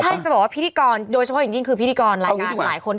ใช่จะบอกว่าพิธีกรโดยเฉพาะจริงคือพิธีกรหลายงานหลายคน